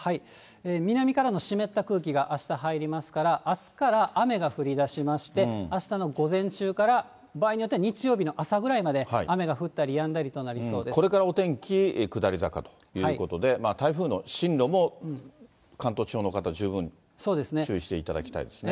南からの湿った空気があした入りますから、あすから雨が降りだしまして、あしたの午前中から、場合によっては日曜日の朝ぐらいまで雨が降ったりやんだりとなりこれからお天気、下り坂ということで、台風の進路も関東地方の方、十分注意していただきたいですね。